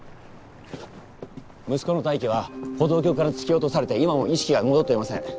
息子の泰生は歩道橋から突き落とされて今も意識が戻っていません。